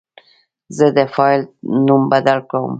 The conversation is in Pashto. زه د فایل نوم بدل کوم.